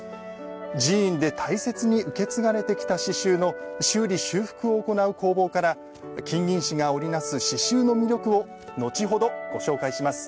寺院で大切に受け継がれてきた刺しゅうの修理・修復を行う工房から金銀糸が織りなす刺しゅうの魅力を後ほどご紹介します。